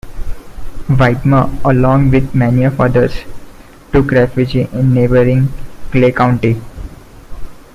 Whitmer, along with many of the others, took refugee in neighboring Clay County.